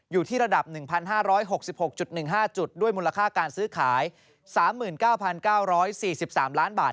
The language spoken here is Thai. อยู่ที่ระดับ๑๕๖๖๑๕จุดด้วยมูลค่าการซื้อขาย๓๙๙๔๓ล้านบาท